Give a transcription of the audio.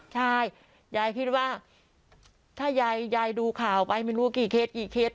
ใช่ยายคิดว่าถ้ายายยายดูข่าวไปไม่รู้กี่เคสกี่เคส